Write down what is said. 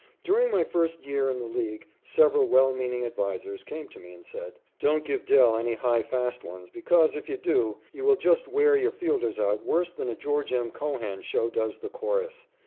During my first year in the League several well meaning advisers came to me and said: "Don't give 'Del' any high fast ones because, if you do, you will just wear your fielders out worse than a George M. Cohan show does the chorus.